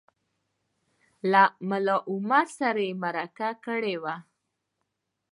له ملا عمر سره یې مرکه کړې وه